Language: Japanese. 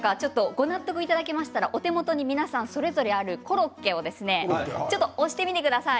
ご納得いただけましたらお手元に皆さんそれぞれあるコロッケを押してみてください。